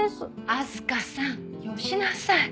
明日香さんよしなさい。